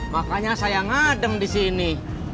makanya saya ngadem di sini